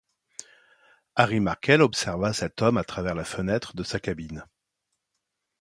Harry Markel observa cet homme à travers la fenêtre de sa cabine.